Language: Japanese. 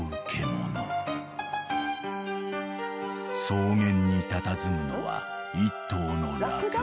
［草原にたたずむのは１頭のラクダ］